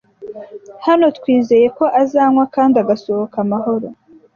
Hano twizeye ko azanywa kandi agasohoka amahoro. "